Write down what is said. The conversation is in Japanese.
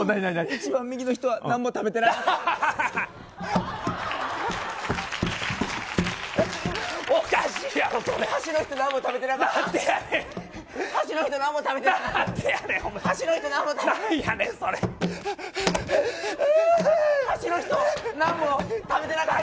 一番右の人はなんも食べてない。